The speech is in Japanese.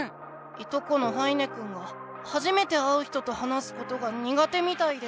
いとこの羽稲くんがはじめて会う人と話すことが苦手みたいで。